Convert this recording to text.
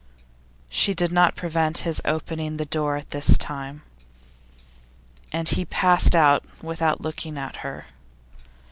She did not prevent his opening the door this time, and he passed out without looking at her.